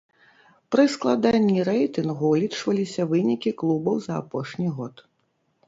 Пры складанні рэйтынгу ўлічваліся вынікі клубаў за апошні год.